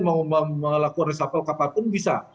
mau melakukan resapel kapanpun bisa